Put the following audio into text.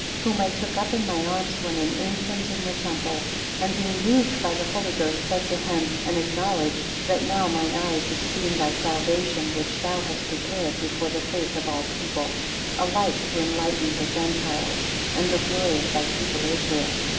8 Whom I took up in my arms when an infant in the temple, and being moved by the Holy Ghost, said to him, and acknowledged, That now mine eyes have seen thy salvation, which thou hast prepared before the face of all people; a light to enlighten the Gentiles, and the glory of thy people Israel.